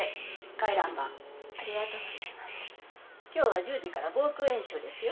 今日は１０時から防空演習ですよ。